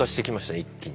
一気に。